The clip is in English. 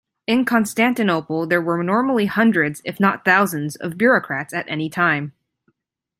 In Constantinople there were normally hundreds, if not thousands, of bureaucrats at any time.